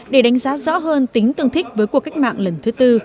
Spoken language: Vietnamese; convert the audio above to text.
để đánh giá rõ hơn tính tương thích với cuộc cách mạng lần thứ tư